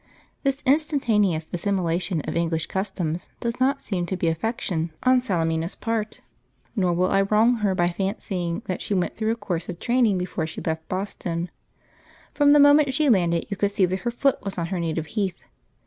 This instantaneous assimilation of English customs does not seem to be affectation on Salemina's part; nor will I wrong her by fancying that she went through a course of training before she left Boston. From the moment she landed you could see that her foot was on her native heath.